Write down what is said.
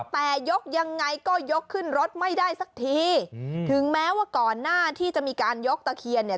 แต่ยกยังไงก็ยกขึ้นรถไม่ได้สักทีถึงแม้ว่าก่อนหน้าที่จะมีการยกตะเคียนเนี่ย